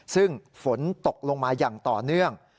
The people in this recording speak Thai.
ซึ่งฝนตกลงมาอย่างต่อเนื่อง